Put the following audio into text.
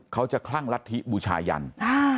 เขาจะคลั่งรัฐทิบุชายันทร์